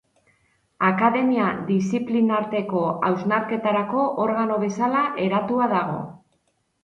Akademia diziplinarteko hausnarketarako organo bezala eratua dago.